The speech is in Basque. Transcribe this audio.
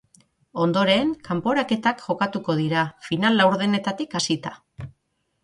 Ondoren, kanporaketak jokatuko dira, final-laurdenetatik hasita.